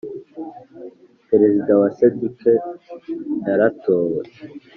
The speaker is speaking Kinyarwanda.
Perezida wa sendika yaratowe